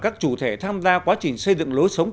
các chủ thể tham gia quá trình xây dựng lối sống